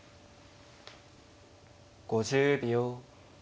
５０秒。